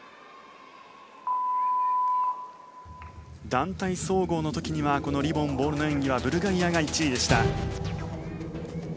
団体総合の時にはこのリボン・ボールの演技はブルガリアが１位でした。